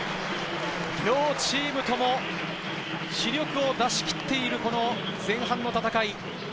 両チームとも死力を出し切っている前半の戦い。